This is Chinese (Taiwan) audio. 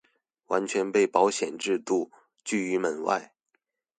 完全被保險制度拒於門外